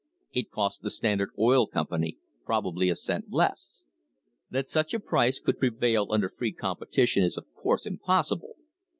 It cost the Standard Oil Company probably a cent less. That such a price could prevail under free competition is, of course, impossible.